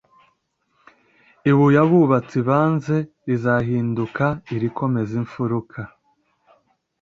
ibuye abubatsi banze rizahinduka irikomeza imfuruka